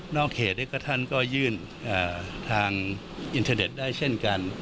นอกเขตเองกระทั้งก็ยื่นทางอินเทอร์เน็ตได้เช่นกัน